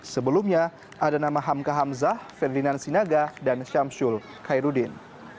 sebelumnya ada nama hamka hamzah ferdinand sinaga dan syamsul khairudin